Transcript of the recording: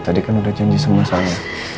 tadi kan udah janji sama saya